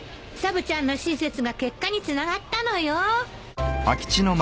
サブちゃんの親切が結果につながったのよ。